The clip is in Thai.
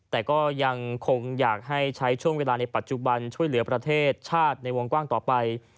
แต่ก็ยังคงอยากให้ใช้ช่วงเวลาในปัจจุบันช่วยเหลือประเทศชาติในวงกว้างต่อไป